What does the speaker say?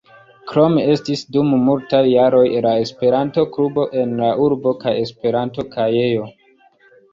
Krome estis dum multaj jaroj la Esperanto-klubo en la urbo, kaj Esperanto-kajejo.